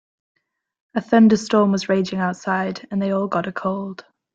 A thunderstorm was raging outside and they all got a cold.